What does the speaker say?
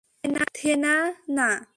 থেনা, না!